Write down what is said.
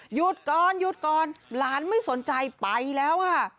หยุดก่อนหยุดก่อนหลานไม่สนใจไปแล้วค่ะ